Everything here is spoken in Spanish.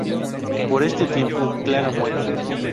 Por este tiempo, Clara muere.